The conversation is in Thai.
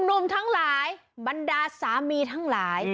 หนุ่มทั้งหลายบรรดาสามีทั้งหลาย